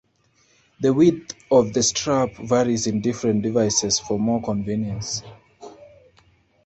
The width of the straps varies in different devices for more convenience.